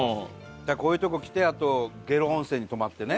だからこういうとこ来てあと下呂温泉に泊まってね。